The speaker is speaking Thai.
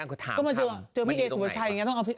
ก็มาเจอพี่เอสัมพันธุ์ไทยอย่างนี้